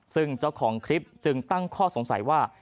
ซึ่งเจ้าของคลิปจึงตั้งข้อสงสัยว่า